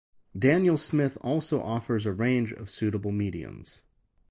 Daniel Smith also offers a range of suitable mediums.